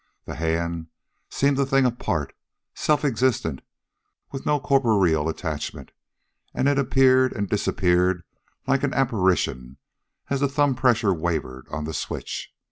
This hand seemed a thing apart, self existent, with no corporeal attachment, and it appeared and disappeared like an apparition as the thumb pressure wavered on the switch.